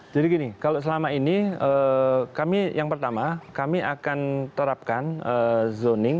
jadi gini kalau selama ini kami yang pertama kami akan terapkan zoning